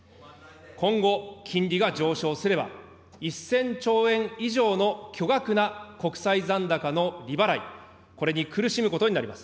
今後、金利が上昇すれば、１０００兆円以上の巨額な国債残高の利払い、これに苦しむことになります。